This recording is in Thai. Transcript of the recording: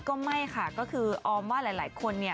ก็ไม่ค่ะก็คือออมว่าหลายคนเนี่ย